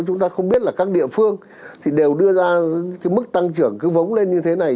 chúng ta không biết là các địa phương thì đều đưa ra mức tăng trưởng cứ vống lên như thế này